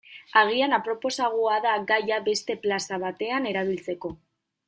Agian aproposagoa da gaia beste plaza batean erabiltzeko.